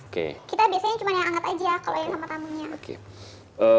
kita biasanya cuma yang anget aja